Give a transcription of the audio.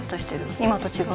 今と違う。